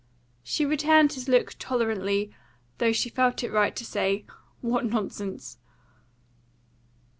She returned his look tolerantly, though she felt it right to say, "What nonsense!"